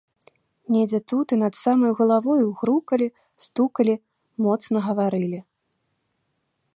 Недзе тут і над самаю галавою грукалі, стукалі, моцна гаварылі.